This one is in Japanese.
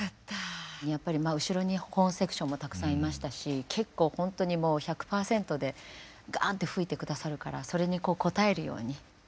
やっぱり後ろにホーン・セクションもたくさんいましたし結構本当にもう１００％でガーンって吹いて下さるからそれに応えるように。